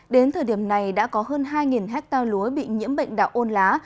đến thời điểm này đã có hơn hai hectare lúa bị nhiễm bệnh đạo ôn lá